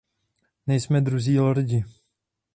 Nejsme druzí Lordi.